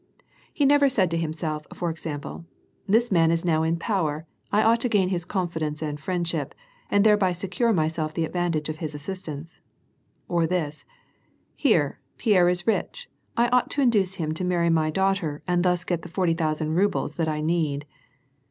He never said to himself, for example: *'This man is now in power, I ought to gain his confidence and friendship, and th(»reby secure myself the advantage of his assistance;*' or this :" Here, Pierre is rich, I ought to induce him to marry my daughter, and thus get the forty thousand rubles that I need."